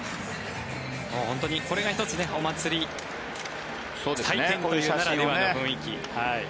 本当にこれが１つお祭り、祭典という雰囲気。